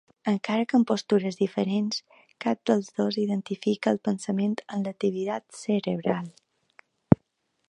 Encara que amb postures diferents, cap dels dos identifica el pensament amb l'activitat cerebral.